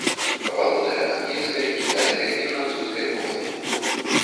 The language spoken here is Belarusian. Валодае ангельскай, кітайскай і французскай мовамі.